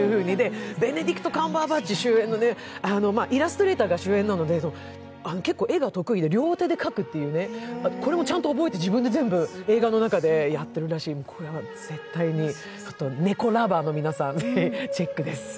ベネディクト・カンバーバッチ主演でね、イラストレーターが主演なので結構、絵が得意で両手で描くっていう、自分で全部映画の中でやっているので、絶対に猫ラバーの皆さん、チェックです。